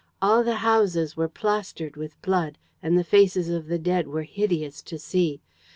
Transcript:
All the houses were plastered with blood; and the faces of the dead were hideous to see.